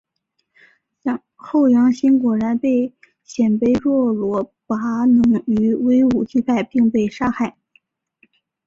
后杨欣果然被鲜卑若罗拔能于武威击败并被杀害。